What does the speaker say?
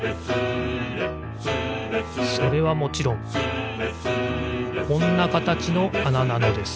それはもちろんこんなかたちのあななのです